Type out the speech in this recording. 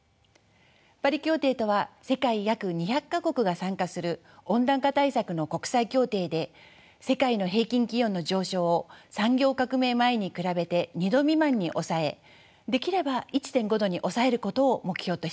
パリ協定とは世界約２００か国が参加する温暖化対策の国際協定で世界の平均気温の上昇を産業革命前に比べて２度未満に抑えできれば１．５度に抑えることを目標としています。